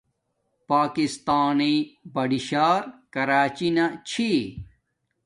پاکستایݵ بڑی شار کراچی چھی